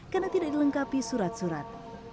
karena tidak dilengkapi surat surat